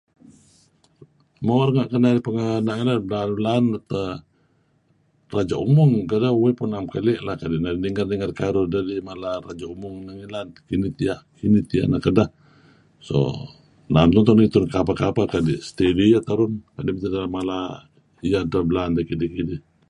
Mo renga' kedinarih [unintelligible] ngilad belaan-belaan deh teh Raja Umung kedeh, uih pun na'em keli lah kadi ninger-ninger karuh dedih mala Raja Umung neh ngilad kinih tiyah kinih tiyeh neh kedeh. So na'em tun tuih neh ngitun kapeh-kapeh adi' steady iyeh terun kadi meto' mala iyeh dteh belaan deh kidih-kidih.